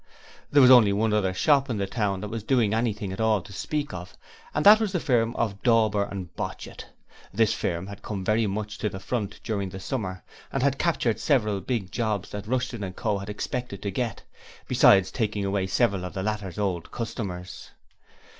There was only one other shop in the town that was doing anything at all to speak of, and that was the firm of Dauber and Botchit. This firm had come very much to the front during the summer, and had captured several big jobs that Rushton & Co. had expected to get, besides taking away several of the latter's old customers.